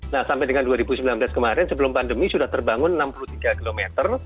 nah sampai dengan dua ribu sembilan belas kemarin sebelum pandemi sudah terbangun enam puluh tiga km